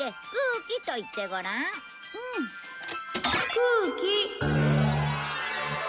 空気。